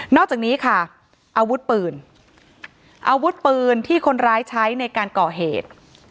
อกจากนี้ค่ะอาวุธปืนอาวุธปืนที่คนร้ายใช้ในการก่อเหตุ